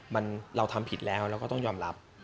มันเราทำผิดแล้วเราก็ต้องยอมรับ